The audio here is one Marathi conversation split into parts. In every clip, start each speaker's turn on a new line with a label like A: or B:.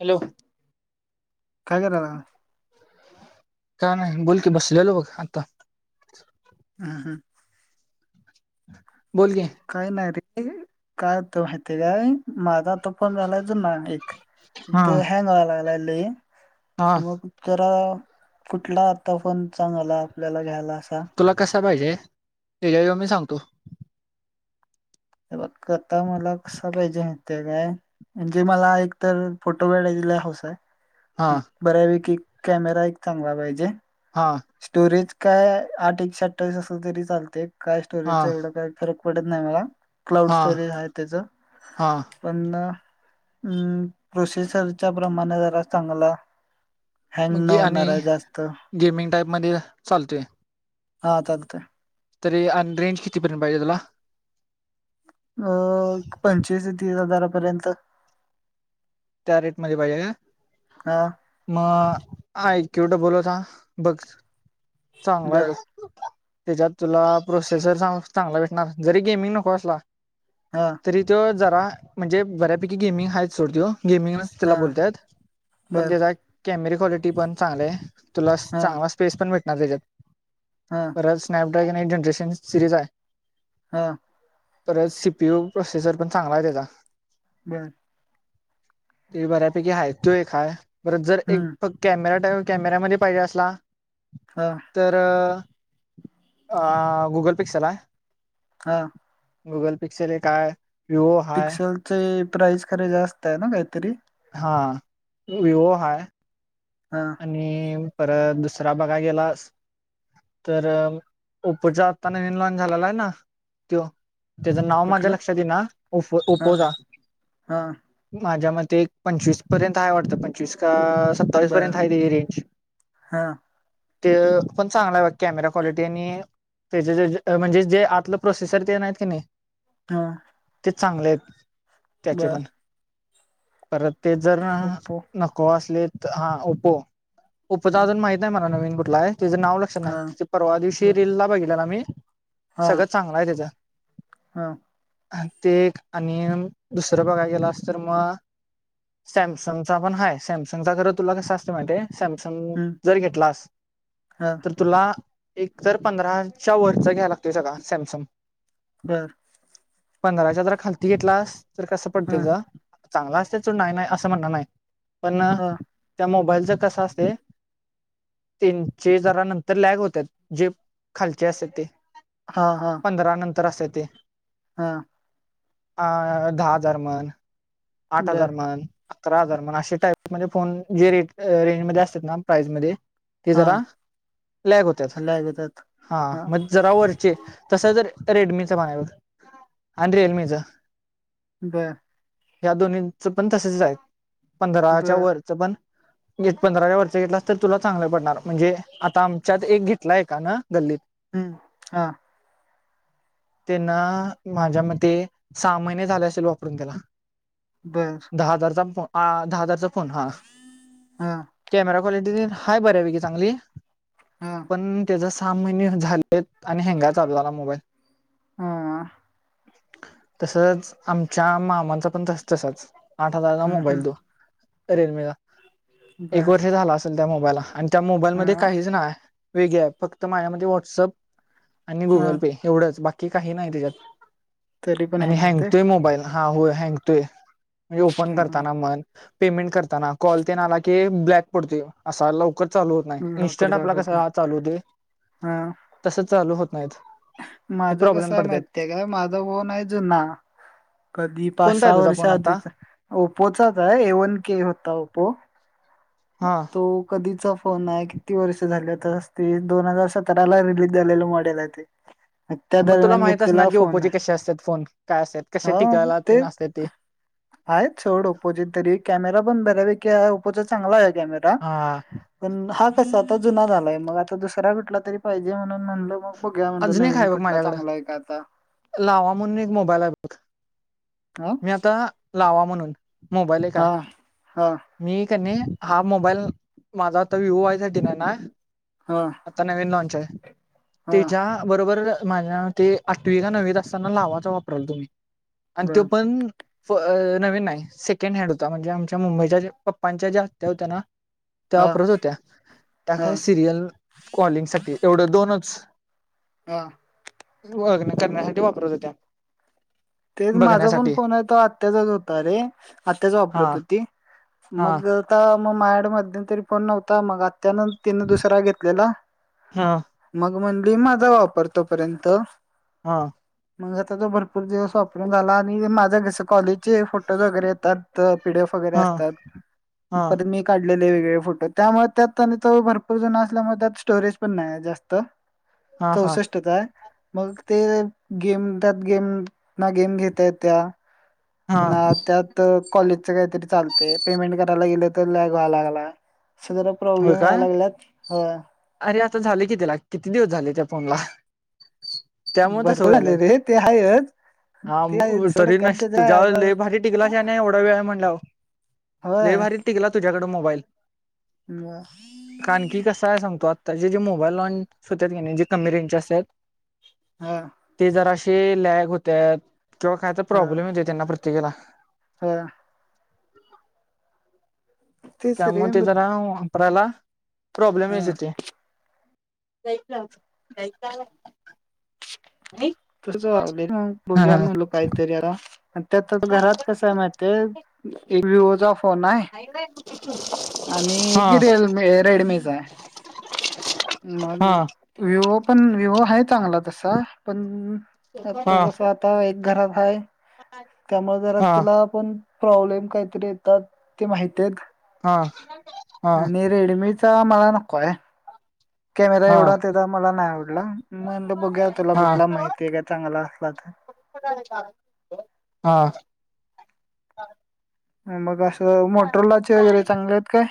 A: हॅलो!
B: काय करायला?
A: काय नाही. बोल की, बसलेलो बघ, आता
B: हम्म हम्म.
A: बोल के.
B: काय नाही रे. काय होतय माहितीय काय? माझा तो फोन झालाय जुना एक,
A: हा
B: तो हँग व्हाय लागलाय लई,
A: हा
B: मग जरा, कुठला आता फोन चांगला आपल्याला घ्यायला असा?
A: तुला कसा पाहिजे? त्याज्या हेज्यावर मी सांगतो.
B: बघ आता मला कसा पायजे माहितय काय? म्हणजे मला एकतर, फोटो काढायची लय हौस हाय.
A: हा
B: बऱ्यापैकी कॅमेरा एक चांगला पाहिजे.
A: हा.
B: स्टोरेज काय, आठ एकशेअठ्ठावीस असल तरी चालतय, काय
A: हा
B: स्टोरेज एवढं काय फरक पडत नाही मला. क्लाउड
A: हा
B: स्टोरीज हाय त्याच.
A: हा
B: पण, म प्रोसेसाईच्या प्रमाणं जरा चांगला. हँग न
A: म्हणजे आणि,
B: होणार आहे जास्त
A: गेमिंग टाईपमध्ये चालतोय.
B: हा चालतंय.
A: तरी, आणि रेंज कितीपर्यंत पाहिजे तुला?
B: अं एक पंचवीस ते तीस हजारापर्यंत.
A: त्या रेटमध्ये पाहिजे काय?
B: हा.
A: मग आय क्ये डब्बल होता बघ चांगलाय
B: बर
A: बघ. त्येच्यात तुला प्रोसेसर चांगला भेटणार. जरी गेमिंग नको असला
B: हा.
A: तरी त्यो जरा म्हणजे बऱ्यापैकी गेमिंग हायच सोड त्यो गेमिंग तुला
B: हा
A: बोलतायेत पण,
B: बर
A: त्याचा कॅमेरे क्वालिटी पण चांगलीये. तुला
B: हा
A: चांगला- स्पेस पण भेटणार त्यांच्यात.
B: हा
A: खंर स्नॅपड्रॅगन एक जनरेशन सिरीज आहे.
B: हा
A: तर सीपीयू प्रोसेसर पण चांगला आहे त्यांचा -
B: बरं
A: त्यो बऱ्यापैकी हाय त्यो एक हाय. परत जर एक
B: हम्म
A: फक्त कॅमेरा टाइम कॅमेऱ्यामध्ये पाहिजे असला.
B: हा.
A: तर गुगल पिक्सल आहे.
B: हा
A: गुगल पिक्सर हे काय?
B: पिक्सेल चे प्राइस खरे जास्त आहे ना काहीतरी.
A: हां वीवो हा
B: हा
A: आणि परत दुसरा बघा गेलास. तर ओप्पोच्या आत्ता नवीन लॉनच झालेला आहे ना. त्यो त्याचं नाव माझ्या
B: कुठलं
A: लक्षात येई ना ओपो
B: हा
A: ओपपोचा-
B: हा
A: माझ्या मते एक पंचवीस पर्यंत ह वाटतं पंचवीस का स-
B: बर
A: पर्यंत रेंज
B: हा
A: ते पण चांगला कॅमेरा क्वालिटी आणि- त्याचे म्हणजे जे आतलं प्रोसेसर ते नाहीत की नाही.
B: हा
A: ते चांगले आहेत त्याचे
B: बर
A: पण- परत ते जर
B: ओप्पो
A: नको असले हा ओप्पो ओपोचा
B: हम्म,
A: अजून माहिती. नाही मला नवीन कुठला आहे तुझं नाव लक्षात नाही
B: हा
A: त परवा दिवशी
B: बर
A: रील ला बघितलं ना मी. सगळं चांगलं आहे तेच.
B: हम
A: ते आणि दुसरं बघायला गेलास तर मग, सॅमसंग चा पण हा सॅमसंगचा खर- तुला कसं अस माहितेय समसंग
B: हम्म,
A: जर घेतलास.
B: हा
A: तुला एक तर पंधराच्या वरच घ्या लागतय सगळा सॅमसंग,
B: बर
A: पंधराच्या जरा खालती घेतलास तर कसं
B: हा
A: पडतंय. चांगला असते चो नाही नाही असं म्हणण नाही पण
B: हा
A: त्या मोबाईलच कस असते. तीनचे जर नंतर लॅग होतात जे खालचे असत ते-
B: हा हा
A: पंधरा नंतर असं येते.
B: हा
A: हा हा दहा हजार म्हण आठ हजार
B: बर
A: म्हण. अकरा हजार म्हण असे टाईप मध्ये फोन जे रेट रेंजमध्ये असतात ना प्राईस मध्ये ते
B: हा
A: जरा प्लॅग होतात
B: लागतात
A: हा मग जरा वरचे तसं जरा रेडमीचा माझ्याकडं हाय बघ अण रियलमीचा
B: बर
A: या दोन्हींचं पण तसचं आहे पंधराच्या
B: बर
A: वरचं पण येत पंधराच्या वरचा घेतलास तर तुला चांगलं पडणार म्हणजे आता आमच्यात एक घेतलाय एकानं गल्लीत
B: हम्म हा
A: त्यांनं माझ्या मते सहा महिने झाले असेल वापरून त्याला
B: बर
A: दहा हजारचा फो आ.. दहा हजारचा फोन हा
B: हा
A: कॅमेरा क्वालिटीटीत हाय बर्या पैकी चांगली
B: हम्म
A: पण त्याचा सहा महिने झालीत आणि हँंगाय चालू झाला मोबाईल
B: हा [unintelligible]
A: तसच आमच्या मामांचा पण तस तसाच आठ हजाराचा
B: हम्म
A: मोबाईल
B: हम्म
A: तो रिअलमीचा एक
B: बर
A: वर्ष झाला असेल त्या मोबाईलला आणि त्या मोबाईलमध्ये
B: हा
A: काहीच नाहीय वेगळं आहे फक्त माझ्यामते व्हॉटसअप आणि
B: हा
A: गुगल पे एवढंच बाकी काही नाही त्याच्यात
B: तरी पण
A: आणि हँग
B: होतंय
A: तोय मोबाईल हा हो हँगतोय म्हणजे ओपन
B: हम्म
A: करताना म्हन पेमेंट करताना कॉल तेन आला की ब्लॅक पडते असा लव कर चालू होत नाही
B: हम्म लवकर
A: इन्स्टंट आपला
B: जागत
A: कसा ह
B: नाही
A: चालू होतोय तसं चालू होत नाहीत. हे
B: माझं कस
A: प्रॉब्लेम
B: आहे
A: पडतात
B: माहित आहे काय माझा फोन आहे जुना कधी पाच
A: कोणता आहे
B: सहा
A: तुझा फोन
B: वर्षा
A: आता
B: आधीचा ओपोचाच आहे ए वन के होता ओपो
A: हा
B: तो कधीचा फोन आहे किती वर्ष झाले आता ते दोन हजार सतराला रिलीज झालेलं मॉडेल आहे ते, [inaudible] त्या
A: मग तुला
B: दरम्यान
A: माहित असणार
B: घेतलेला
A: की
B: फोन
A: ओप्पोचे
B: आहे
A: कसे असतात फोन काय असतात कसे
B: हा न
A: टिकायला तेन
B: तेच
A: असतात ते
B: आहे सोड ओपोचे तरी कॅमेरा पण बऱ्यापैकी ओपोचा चांगला आहे कॅमेरा
A: हा-
B: पण हा कसा आता जुना झालाय मग आता दुसरा कुठला तरी पाहिजे म्हणून म्हणलं मग बघूया म्हणलं
A: अजून एक
B: नवीन
A: आहे बघ
B: कुठला चांगला
A: माझ्याकडं
B: आहे का आता
A: लावा म्हणून एक मोबाईल आहे बघ
B: हा
A: मी आता लावा म्हणून मोबाईल एक
B: हा
A: आहे
B: हा
A: मी कणी हा मोबाईल माझा आता विवो व्हाच चा दिलाय ना
B: हा
A: आता नवीन लॉन्च आहे
B: हा
A: ते ज्या बरोबर माझ्या ते आठवी का नववीत असताना लावाचा वापरालतो मी आणि
B: बर
A: त्यो पण फो अ नवीन नाही सेकंड हँड होता म्हणजे आमच्या मुंबईच्या ज्या पप्पांच्या ज्या आत्या होत्या ना त्या
B: हा
A: वापरत होत्या त्या
B: हा
A: काय सिरियल कॉलिंग साठी एवढं दोनच
B: हा
A: ती व्हय नुसता काॅलसाठी वापरत होतो
B: तेच माझा पण फोन आहे तो आत्याचाच होता रे आत्याच
A: हा
B: वापरत होती
A: हा
B: मग आता मग माझ्यकडं मध्यंतरी फोन नव्हता मग आत्यानं तिने दुसरा घेतलेला
A: हा
B: मग म्हणली माझा वापर तोपर्यंत.
A: हा,
B: मग आता तो भरपूर दिवस वापरून झाला आणि माझ कसं कॉलेजचे फोटोज वगैरे येतात. त पीडीएफ वगैरे
A: हा
B: असतात
A: हा
B: पण मी. काढलेले वेगळे फोटो त्यामुळे त्यात आणि तो भरपूर जन असल्यामुळे त्यात स्टोरेज पण नाही जास्त.
A: हा हा
B: चौसष्टच आहे मग ते गेम त्यात गेम. ना गेम घेता येत्या
A: हा
B: ना. त्यात कॉलेजच काहीतरी चालते पेमेंट करायला गेलं तर लॅग व्हा लागला अस जरा.
A: हो
B: प्रॉब्लेम याय
A: काय
B: लागल्यात होय.
A: अरे आता झाले की, त्याला किती दिवस झाले त्या फोनला. त्यामुळे तसं
B: बरोबर झाले
A: व्हायलात
B: रे ते आहेच.
A: हा
B: ते आहे
A: [unintelligible]
B: सोड
A: तरी
B: कारण
A: नस
B: त्याचा
A: तुझ्या लय भारी टिकला नाही एवढा वेळ म्हणला
B: होय.
A: टिकला तुझ्याकडे मोबाईल.
B: [inaudible]
A: कारण की कसं आहे सांगतो आत्ताचे जे जे मोबाईल लॉनच होत कनाय नाही जे कमी रेंजचे असतात.
B: हा,
A: ते जरा असे लॅग होत्यात किंवा काय तर प्रॉब्लेम येतोय त्यांना प्रत्येक ह्याला.
B: होय, तेच
A: त्यामुळे
B: रे
A: ते
B: मग
A: जरा वापरायला प्रॉब्लेम
B: हा
A: येतात ते. जायच जायचला. नाही.
B: तसंच व्हायला बघूया म्हणलं काहीतरी याला त्यात घरात कस आहे माहि ''--'' ते एक विवोचा ऑफ. फोन आहे आणि
A: हा
B: एक रियलमी रेडमीचा आहे. मग
A: हा
B: विवो पण विवो आहे चांगला तसा पण त्यात तो
A: हा
B: कस आता एक घरात हाय त्यामुळे जरा
A: हा
B: तिला. पण प्रॉब्लेम काहीतरी येतात ते माहित आहेत.
A: हा हा,
B: आणि रेडमीचा मला नको हाय. कॅमेरा
A: हा
B: एवढा तेचा मला नाही आवडला म्हणल बघुया तुला
A: हा
B: कुठला माहिती आहे का चांगला असला तर.
A: हा,
B: मग असं मोटरलाचे वगैरे चांगले आहेत काय?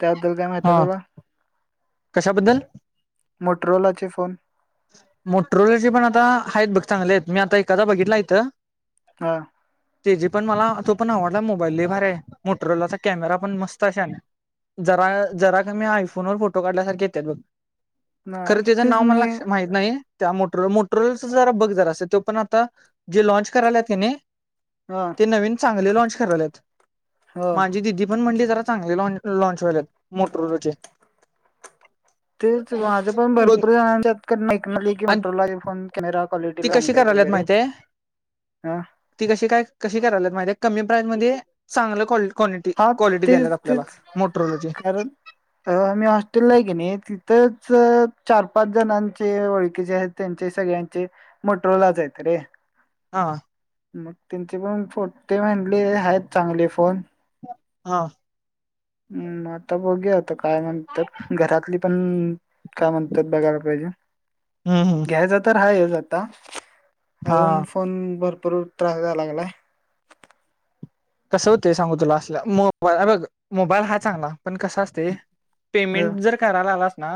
B: त्याबद्दल काय माहीत
A: हा
B: तुला?
A: कशाबद्दल
B: मोटरोलाचे फोन.
A: मोटरोलाचे पण आता आहेत बघ चांगले आहेत मी आता एखादा बघितला इथं.
B: हा,
A: त्याची पण मला तो पण आवडला मोबाईल ल‌ई भारी हाय मोटरोलाचा कॅमेरा पण मस्त आहे शान्या. जरा जरा कमी आयफोन वर फोटो काढल्यासारखे येत्यात बघ
B: हा
A: खरं त्याचं
B: तेच
A: नाव मला
B: मी
A: लक्षा ''--'' माहित नाही त्या मोटरो मोटरोलाच जरा बघ जरास त्यो पण आता जे लॉन्च कराल्यात कनीय.
B: हा
A: ते नवीन चांगले लँनच कराल्यात
B: हो
A: माझी दिदी. पण म्हंणली जरा चांगली ल लॉन्च व्हाल्यात मोटरोलाचे.
B: तेच माझं पण
A: बघ
B: भरपूर जणानच्या कडणं ऐकन आलयं कि
A: आणि
B: मेट्रोलाचे फोन. कॅमेरा क्वालिटी
A: ती कशी
B: चांगली आहेत
A: करायल्यात
B: वगैरे
A: माहितीये
B: हा,
A: ती कशी काय कशी करायलात माहित हाय काय कमी प्राईज मध्ये चांगलं कॉ ''--'' क्वालिटी
B: हा
A: क्वालिटी द्याल्यात
B: तेच
A: आपल्याला
B: तेच
A: मोटोरोलाचे.
B: [unintelligible] अ आम्ही हॉस्टेलला हाय की नी तिथंच चार- पाच जणांचे ओळखीचे हायत त्यांचे सगळ्यांचे मोटरोलाच हाईत रे.
A: हां.
B: मग त्यांचे पण फोट् ते म्हणले हायत चांगले फोन.
A: हा.
B: हम् आता बघुया आता काय म्हणत्यात घरातली. पण काय म्हणत्यात बघायला पायजे.
A: हं हं.
B: ह्याचा तर हायच आत्ता.
A: हा
B: अजून फोन भरपूर त्रास द्याय लागलाय.
A: कसं होतंय सांगू तुला असला म बघ मोबाईल हा चांगला पण कसं अस -ते
B: ह,
A: पेमेंट जर करा लागलास ना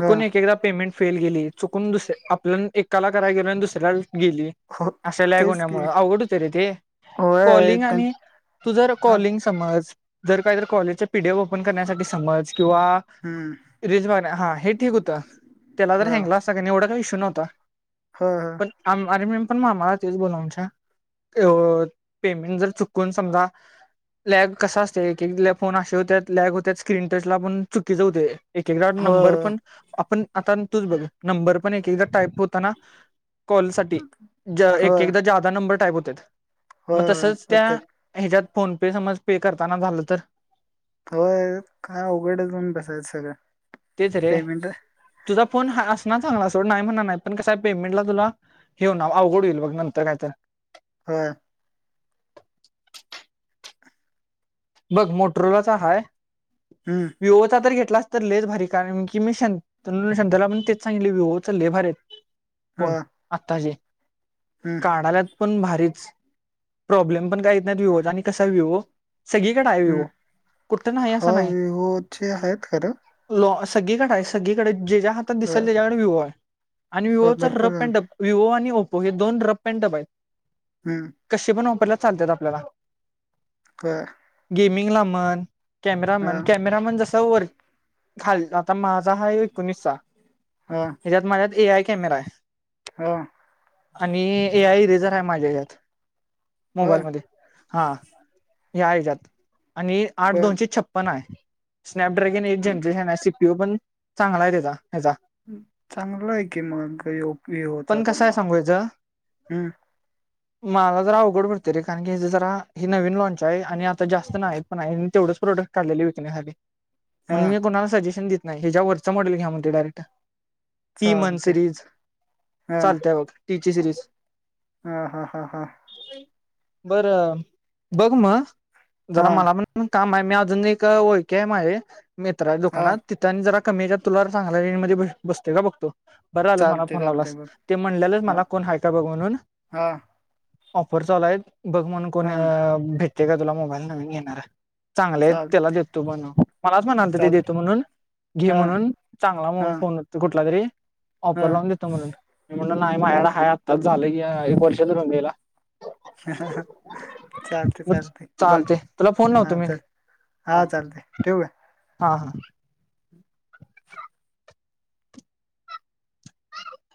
B: ह,
A: एक एकदा पेमेंट फेल गेली चुकून दुस आपल्या न एकाला काराय गेलो अन दुसऱ्याल गेली.
B: हो
A: असं लॅग
B: तेच की
A: होण्यामुळं अवघड होत रे ते.
B: होय
A: कॉलिंग
B: त्यां-
A: आणि तू जर
B: हा,
A: कॉलिंग समज जर काईतर कॉलेजच्या पी डी एफ ओपन करण्यासाठी समज किंवा
B: हम्म,
A: रिजवान हा हे ठीक होतं त्याला जर
B: हा,
A: हँगला असता का न एवढा का इशू नव्हता.
B: हो हो.
A: पण आम अरे मीन पण मामाला तेच बोललो आमच्या अ पेमेंट जर चुक् कोण समजा. लॅग कसा असते एक एकल्या फोन असे होत्यात लॅग होत्यात स्क्रीन टचला पण चुकीच होतय. एक एकदा
B: हो
A: नंबर
B: हो
A: पण आपण आता न तूच बघ नंबर पण एक एकदा टाईप होताना कॉल साठी
B: हो हो
A: एक
B: होय
A: एकदा जादा नंबर टाईप होत्यात म
B: होय
A: तसच
B: होत्यात.
A: ह्याच्यात फोन पे समज पे करताना झालं तर
B: होय का अवघडच होऊन बसायचं सगळं
A: तेच रे
B: पेमेंट-
A: तुझा फोन हा अस ना चांगला असो न्हाई म्हणाणा नाय पण कसय पेमेंटला तुला- हे हुना आवघड हुईल बघ नंतर कायत.
B: होय
A: बघ. मोटरोलाचा हाय.
B: हम्म.
A: विओचा तर घेतलास तर लयच भारी कारण की मी शन- तर न शांत्याला पण तेच सांगितलं व्हीवोचं लय भारीयत. पण
B: हो
A: आता जे
B: हम्म
A: काडाला. पण भारीच प्रॉब्लेम पण काईत नाईत व्हीवोच आणि कसा व्हीवो- सगळीकडं हाय
B: हम्म
A: विहवो कुठं न्हाई
B: हो
A: असं नाई.
B: विवोचे आहेत खरं
A: लॉ सगळीकडंय सगळीकडं ज्या ज्या हातात
B: होय
A: दिसेल त्याच्याकडं व्हीवोय आणि
B: होय
A: व्हीवोचा
B: भरपूर
A: रप
B: आहे.
A: अँड डब- विवो आणि ओपो हे दोन रप अँड टपायत.
B: हम्म.
A: कशे पण वापरल्या चालत्यात आपल्याला.
B: तर.
A: गेमिंग ला मन कॅमेरा
B: हा
A: मन कॅमेरा मन जसं वर- खाल आता माझा हाय एकोणीस चा.
B: हा.
A: ह्याच्यात माझ्यात ए आय कॅमेराय.
B: हा.
A: आणि ए आय इरेझराय माझ्या यात
B: होय
A: मोबाईल मध्ये हा. हे आहे एच्यात आणि आठ
B: बर
A: दोनशे छप्पन आहे. स्नॅपड्रॅगन एट झेंनं चा आहे सीपीओ पण चांगला आहे त्याचा ह्याचा
B: चांगला ये की मग येपोयो चा
A: कसं
B: पण
A: आहे
B: मग
A: सांगू याचं
B: हम्.
A: मला जरा अवघड पडते रे, कारण की हे जरा हे नवीन लॉन्चये. [unintelligible] आणि आता जास्त नाही पण तेवढंच प्रोडक्ट काढलेले विकण्यासाठी.
B: हा
A: म्हणून मी कोणाला सजेशन देत नाही, ह्याच्या वरचा मॉडेल घ्या म्हणतोय डायरेक्ट. टी मन
B: चालते
A: सिरीज चालतंय बघ टीची सिरीज.
B: ह हा हा हा.
A: बरं मं जरा
B: हा
A: मला पण काम आहे. मी अजून एक वळकि आहे, माझी मित्राच्या
B: हा
A: दुकानात. तिथं अन जरा कमी याच्यात तुला चांगल्या हे मध्ये बसतोय का बघतो. बरं झालंस मला
B: चालते
A: फोन
B: चालते
A: लावलास.
B: बघ
A: ते म्हणलेलंच
B: हा
A: मला कोण हाय का बघ म्हणून.
B: हा
A: ऑफर चालू आहेत, बघ म्हणुन
B: हा
A: कोणी भेटते का तुला मोबाईल नवीन घेणारा. चांगलेयत
B: चाल
A: त्याला देतो बनवून. मलाच म्हणालत ते
B: चाल
A: देतो म्हणून, घे
B: हा
A: म्हणून चांगला
B: हा
A: फोन कुठला तरी.
B: हा
A: ऑफर लावून देतो म्हणून. मी म्हण नाही माह्या कडं हाय आत्ताच झालं क एक वर्ष धरून गेला.
B: [inaudible] चालते
A: वरचे
B: चालते बघ
A: चालतंय, तुला फोन लावतो
B: हा
A: मी
B: चल
A: हा
B: चालते ठेवू का?
A: हा हा.